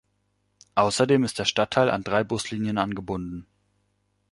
Außerdem ist der Stadtteil an drei Buslinien angebunden.